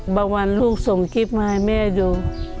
บางวันลูกส่งกิ๊บมาให้แม่ดู